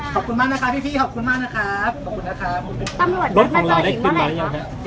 ขอบคุณมากนะคะพี่พี่ขอบคุณมากนะครับขอบคุณนะครับตำรวจรถของเราได้ขึ้นมาหรือยังคะ